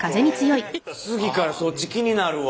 次からそっち気になるわ。